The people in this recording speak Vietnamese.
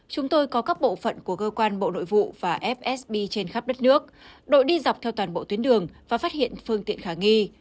chúng tôi có các bộ phận của cơ quan bộ nội vụ và fsb trên khắp đất nước đội đi dọc theo toàn bộ tuyến đường và phát hiện phương tiện khả nghi